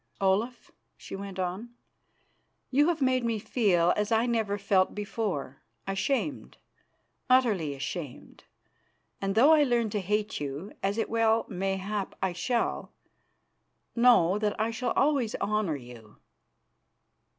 "Olaf," she went on, "you have made me feel as I never felt before ashamed, utterly ashamed, and though I learn to hate you, as it well may hap I shall, know that I shall always honour you."